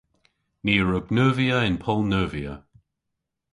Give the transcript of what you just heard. Ni a wrug neuvya yn poll-neuvya.